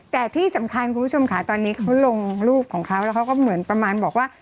แต่ที่สำคัญคุณผู้ชมค่ะตอนนี้เขาลงรูปของเขาแล้วเขาก็เหมือนประมาณบอกว่า